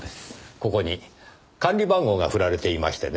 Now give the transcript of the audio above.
ここに管理番号が振られていましてね。